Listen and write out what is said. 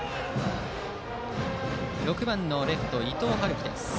６番レフト、伊藤悠稀です。